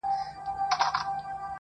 نه بيزو نه قلندر ورته په ياد وو-